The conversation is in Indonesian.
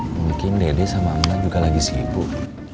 mungkin dedek sama emak juga lagi sibuk